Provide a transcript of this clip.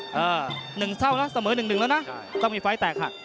อ่าหนึ่งเท่านะเสมอหนึ่งแล้วนะใช่ต้องมีไฟแตกหัก